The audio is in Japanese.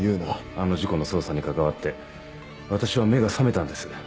あの事故の捜査に関わって私はめがさめたんです。